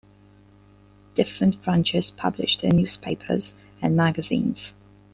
Different branches publish their newspapers and magazines.